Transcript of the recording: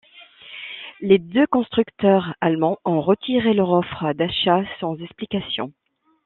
Les deux constructeurs allemands ont retiré leur offre d'achat sans explication.